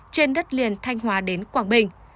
trên đất liền thanh hóa đến quảng bình